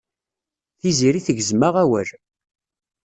Tiziri tegzem-aɣ awal.